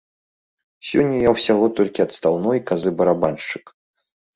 Сёння я ўсяго толькі адстаўной казы барабаншчык.